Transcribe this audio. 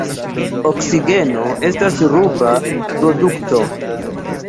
Oksigeno estas ruba produkto.